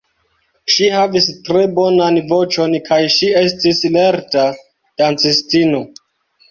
Ŝi havis tre bonan voĉon kaj ŝi estis lerta dancistino.